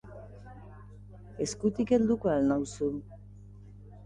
Eskutik helduko al nauzu?